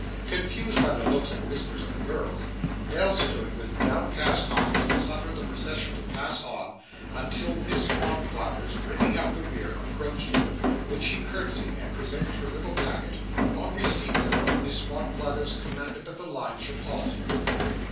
Confused by the looks and whispers of the girls, Nell stood with downcast eyes and suffered the procession to pass on, until Miss Monflathers, bringing up the rear, approached her, when she curtseyed and presented her little packet; on receipt whereof Miss Monflathers commanded that the line should halt.